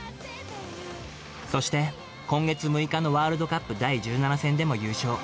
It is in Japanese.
そして、今月６日のワールドカップ第１７戦でも優勝。